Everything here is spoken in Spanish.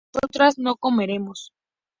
nosotras no comeremos